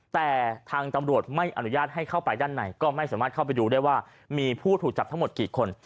แต่ทางตำรวจไม่อนุญาตให้เข้าไปด้านในก็ไม่สามารถเข้าไปดูได้ว่ามีผู้ถูกจับทั้งหมดกี่คน